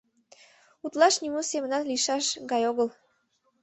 Утлаш нимо семынат лийшаш гай огыл.